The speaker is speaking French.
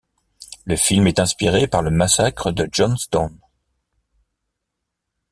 Le film est inspiré par le massacre de Jonestown.